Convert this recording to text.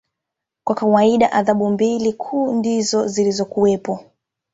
Kwa kawaida adhabu mbili kuu ndizo zilikuwepo